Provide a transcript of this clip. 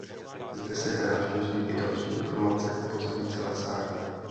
Zde se hráč dozví i další informace k pozadí celé ságy.